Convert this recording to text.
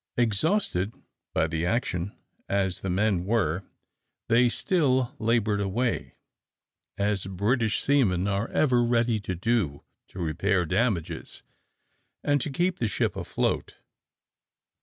Exhausted by the action as the men were, they still laboured away, as British seamen are ever ready to do, to repair damages, and to keep the ship afloat.